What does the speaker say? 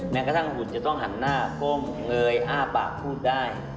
แม้กระทั่งหุ่นจะต้องหันหน้าก้มเงยอ้าปากพูดได้